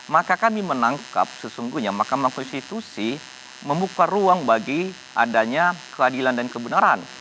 maka kami menangkap sesungguhnya mahkamah konstitusi membuka ruang bagi adanya keadilan dan kebenaran